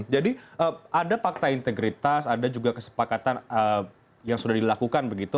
jadi ada fakta integritas ada juga kesepakatan yang sudah dilakukan begitu